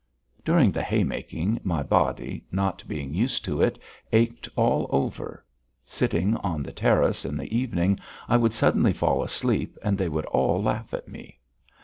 During the haymaking my body, not being used to it, ached all over; sitting on the terrace in the evening, I would suddenly fall asleep and they would all laugh at me.